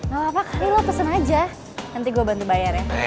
gapapa kali lo pesen aja nanti gue bantu bayar ya